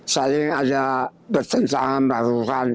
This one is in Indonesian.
saling ada bertentangan meragukan